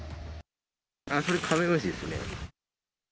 これ、カメムシですね。